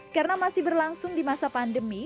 karena masih berlangsung di masa pandemi